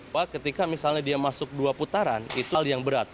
bahwa ketika misalnya dia masuk dua putaran itu hal yang berat